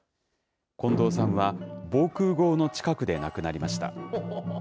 近藤さんは、防空ごうの近くで亡くなりました。